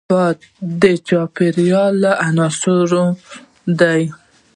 باد د چاپېریال له عناصرو دی